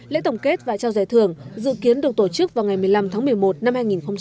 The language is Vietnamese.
lễ tổng kết và trao giải thưởng dự kiến được tổ chức vào ngày một mươi năm tháng một mươi một năm hai nghìn một mươi chín